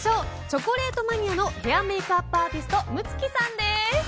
チョコレートマニアのヘアメイクアップアーティスト夢月さんです。